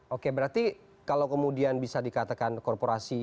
oke berarti kalau kemudian bisa dikatakan korporasi